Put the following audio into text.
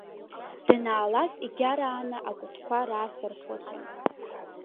Данаалак, егьарааны акәытқәа раасырхәахьан.